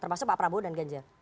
termasuk pak prabowo dan ganjar